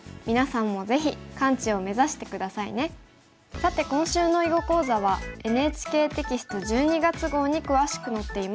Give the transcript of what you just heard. さて今週の囲碁講座はＮＨＫテキスト１２月号に詳しく載っています。